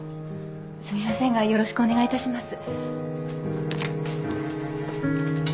すみませんがよろしくお願いいたします。